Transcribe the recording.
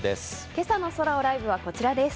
今朝の「ソラをライブ」はこちらです。